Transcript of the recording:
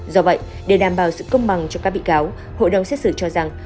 do vậy để đảm bảo sự công bằng cho các bị cáo hội đồng xét xử cho rằng